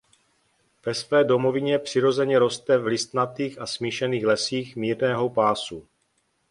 Ve své domovině přirozeně roste v listnatých a smíšených lesích mírného pásu.